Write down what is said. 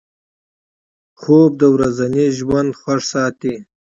خوب د ورځني ژوند خوښ ساتي